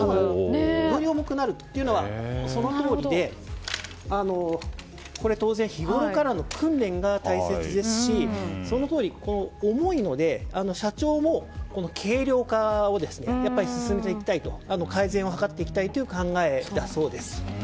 より重くなるというのはそのとおりで当然日ごろからの訓練が大切ですしそのとおり、重いので社長も軽量化を進めていきたいと改善を図っていきたい考えだそうです。